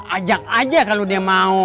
ajak aja kalau dia mau